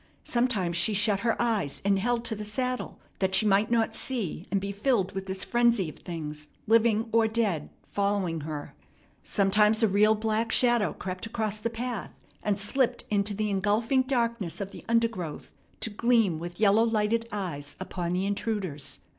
Sometimes she shut her eyes and held to the saddle, that she might not see and be filled with this frenzy of things, living or dead, following her. Sometimes a real black shadow crept across the path, and slipped into the engulfing darkness of the undergrowth to gleam with yellow lighted eyes upon the intruders.